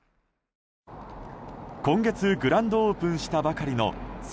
今月グランドオープンしたばかりの雪